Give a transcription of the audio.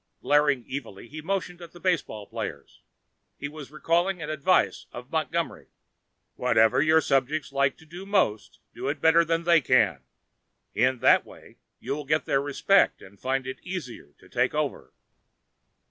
Glaring evilly, he motioned at the baseball players. He was recalling an advice of Montgomery: "Whatever your subjects like to do most, do it better than they can. In that way, you will get their respect and find it easier to take over."